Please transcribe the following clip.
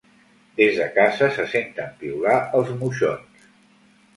Des de casa se senten piular els moixons.